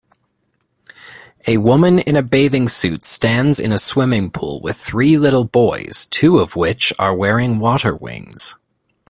A woman in a bathing suit stands in a swimming pool with three little boys two of which are wearing water wings